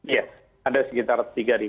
iya ada sekitar tiga enam ratus sembilan